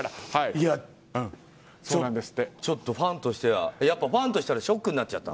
ちょっと、ファンとしたらショックになっちゃった。